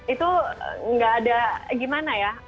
itu nggak ada gimana ya